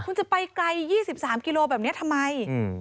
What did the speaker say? คุณจะไปไกล๒๓กิโลแบบนี้ทำไม